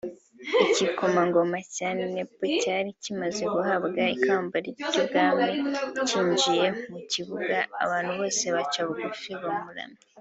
igikomangoma cya Nepal cyari kimaze guhabwa ikamba ry’ubwami cyinjiye mu kibuga abantu bose baca bugufi kumuramya